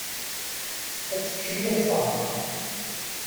Ad teččem iẓẓan.